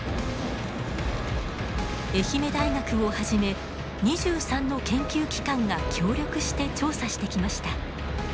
愛媛大学をはじめ２３の研究機関が協力して調査してきました。